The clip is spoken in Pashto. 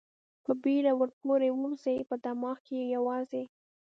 په بېړه ور پورې ووځي، په دماغ کې یې یوازې.